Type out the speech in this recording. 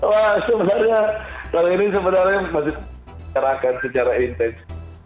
wah sebenarnya kalau ini sebenarnya masih terakan secara intens